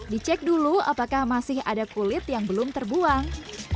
dicek dulu apakah masih ada kulit yang belum terbuang